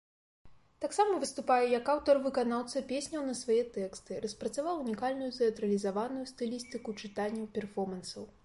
Таксама выступае як аўтар-выканаўца песняў на свае тэксты, распрацаваў унікальную тэатралізаваную стылістыку чытанняў-перфомансаў.